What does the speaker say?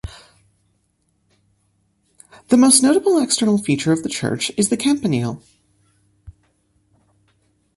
The most notable external feature of the church is the campanile.